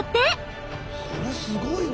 これすごいね。